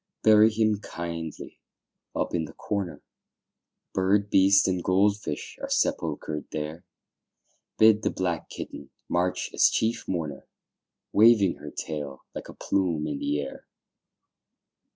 Bury him kindly up in the corner; Bird, beast, and gold fish are sepulchred there; Bid the black kitten march as chief mourner, Waving her tail like a plume in the air.